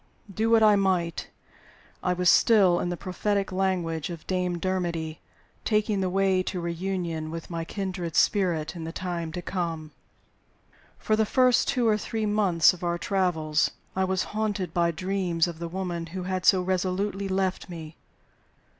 Do what I might, I was still (in the prophetic language of Dame Dermody) taking the way to reunion with my kindred spirit in the time to come. For the first two or three months of our travels I was haunted by dreams of the woman who had so resolutely left me.